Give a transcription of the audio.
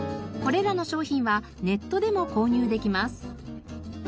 これらの商品はネットでも購入できます。